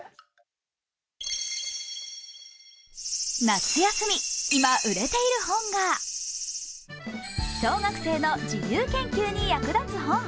夏休み、今売れている本が小学生の自由研究に役立つ本。